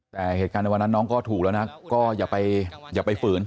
แต่เหตุการณ์ในวันนั้นน้องก็ถูกแล้วนะก็อย่าไปฝืน